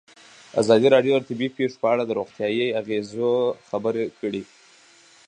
ازادي راډیو د طبیعي پېښې په اړه د روغتیایي اغېزو خبره کړې.